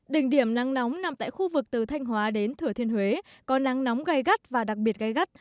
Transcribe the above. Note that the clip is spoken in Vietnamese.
đỉnh điểm nắng nóng nằm tại khu vực từ thanh hóa đến thừa thiên huế có nắng nóng gai gắt và đặc biệt gai gắt